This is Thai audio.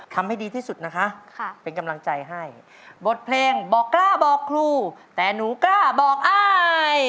ทำให้ดีที่สุดนะคะเป็นกำลังใจให้บทเพลงบอกกล้าบอกครูแต่หนูกล้าบอกอาย